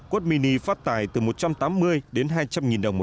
cốt mini phát tài từ một trăm tám mươi đến hai trăm linh nghìn đồng